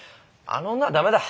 あの女は駄目だ。